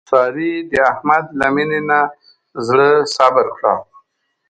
سارې د احمد له مینې نه خپل زړه صبر کړ.